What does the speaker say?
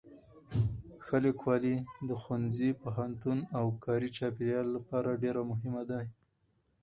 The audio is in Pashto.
ښه لیکوالی د ښوونځي، پوهنتون او کاري چاپېریال لپاره ډېر مهم دی.